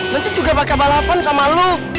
nanti juga bakal balapan sama lo